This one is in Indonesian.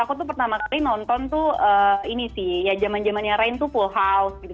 aku tuh pertama kali nonton tuh ini sih ya zaman zaman yang rain tuh full house gitu